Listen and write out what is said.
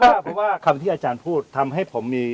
เพราะว่าคำที่อาจารย์พูดทำให้ผมมี